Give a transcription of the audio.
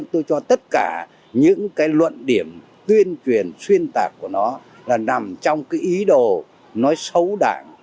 tôi cho tất cả những cái luận điểm tuyên truyền xuyên tạc của nó là nằm trong cái ý đồ nói xấu đảng